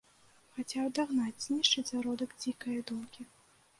Хацеў адагнаць, знішчыць зародак дзікае думкі.